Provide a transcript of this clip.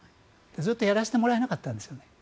ずっとやらせてもらえなかったんですね。